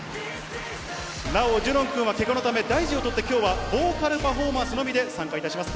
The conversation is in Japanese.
なおジュンウォン君はけがのため、大事を取ってきょうはボーカルパフォーマンスのみで参加します。